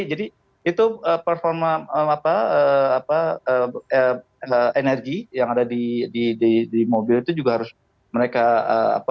jadi itu performa apa apa energi yang ada di mobil itu juga harus mereka apa mengembangkan